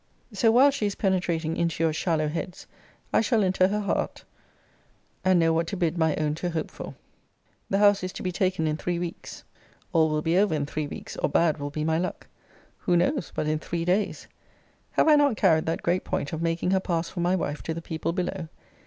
So, while she is penetrating into your shallow heads, I shall enter her heart, and know what to bid my own to hope for. The house is to be taken in three weeks. All will be over in three weeks, or bad will be my luck! Who knows but in three days? Have I not carried that great point of making her pass for my wife to the people below?